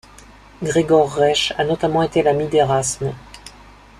Gregor Reisch a notamment été l'ami d'Érasme.